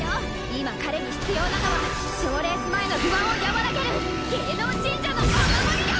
今彼に必要なのは賞レース前の不安を和らげる芸能神社のお守りよ！